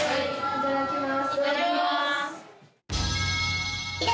いただきます。